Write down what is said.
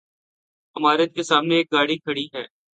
عمارت کے سامنے ایک گاڑی کھڑی ہے